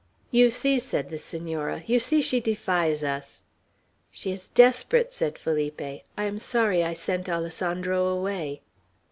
"You see," said the Senora, "you see she defies us." "She is desperate," said Felipe. "I am sorry I sent Alessandro away."